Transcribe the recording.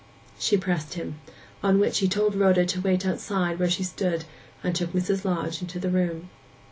She pressed him; on which he told Rhoda to wait outside where she stood, and took Mrs. Lodge into the room.